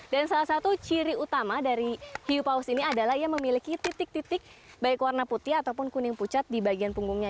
dan salah satu ciri utama dari hiupaus ini adalah ia memiliki titik titik baik warna putih ataupun kuning pucat di bagian punggungnya